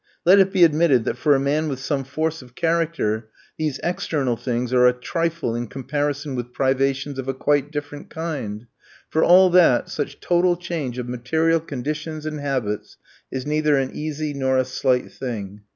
Let it be admitted that for a man with some force of character these external things are a trifle in comparison with privations of a quite different kind; for all that, such total change of material conditions and habits is neither an easy nor a slight thing.